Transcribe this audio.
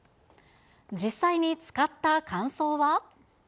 実際に使った感想は。